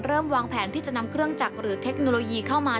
วางแผนที่จะนำเครื่องจักรหรือเทคโนโลยีเข้ามา